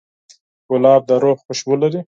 ګلاب د روح خوشبو لري.